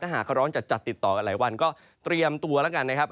หากเขาร้อนจัดติดต่อกันหลายวันก็เตรียมตัวแล้วกันนะครับ